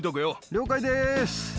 了解でーす。